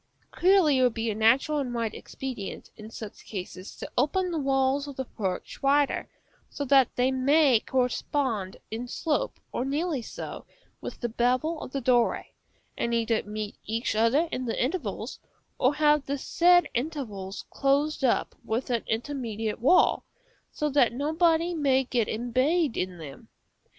Clearly it will be a natural and right expedient, in such cases, to open the walls of the porch wider, so that they may correspond in slope, or nearly so, with the bevel of the doorway, and either meet each other in the intervals, or have the said intervals closed up with an intermediate wall, so that nobody may get embayed in them.